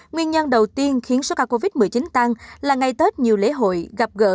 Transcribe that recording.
nguyên nhân đầu tiên khiến số ca covid một mươi chín tăng là ngày tết nhiều lễ hội gặp gỡ